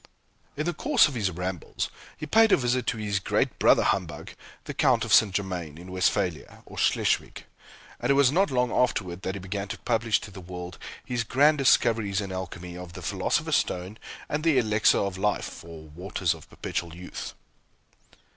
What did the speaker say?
In the course of his rambles, he paid a visit to his great brother humbug, the Count of St. Germain, in Westphalia, or Schleswig, and it was not long afterward that he began to publish to the world his grand discoveries in Alchemy, of the Philosopher's Stone, and the Elixir of Life, or Waters of Perpetual Youth.